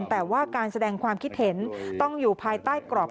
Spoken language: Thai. แต่ว่าการแสดงความคิดเห็นต้องอยู่ภายใต้กรอบ